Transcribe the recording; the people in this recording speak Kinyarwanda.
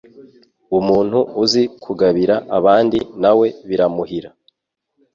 Umuntu uzi kugabira abandi na we biramuhira